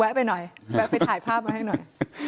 ไปหน่อยแวะไปถ่ายภาพมาให้หน่อย